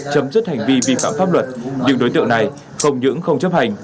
chấm dứt hành vi vi phạm pháp luật nhưng đối tượng này không những không chấp hành